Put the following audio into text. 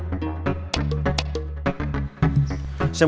kamu sibuk amat ngobrolin warung